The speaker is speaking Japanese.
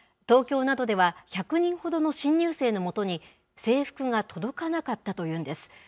東京などでは、１００人ほどの新入生のもとに、制服が届かなかったというんです。